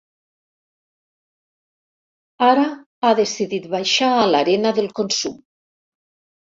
Ara ha decidit baixar a l'arena del consum.